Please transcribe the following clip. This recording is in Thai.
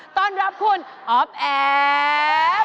ต้อนรับคุณอ๊อฟแอฟ